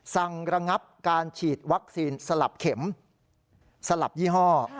ระงับการฉีดวัคซีนสลับเข็มสลับยี่ห้อ